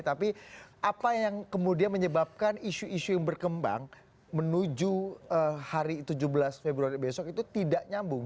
tapi apa yang kemudian menyebabkan isu isu yang berkembang menuju hari tujuh belas februari besok itu tidak nyambung